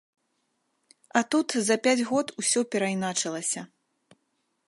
А тут за пяць год усё перайначылася.